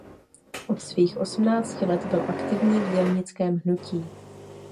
Od svých osmnácti let byl aktivní v dělnickém hnutí.